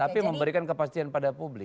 tapi memberikan kepastian pada publik